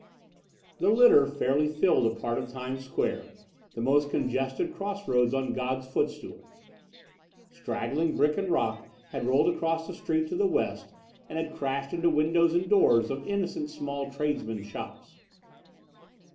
The litter fairly filled a part of Times Square, the most congested cross roads on God's footstool. Straggling brick and rock had rolled across the street to the west and had crashed into windows and doors of innocent small tradesmen's shops.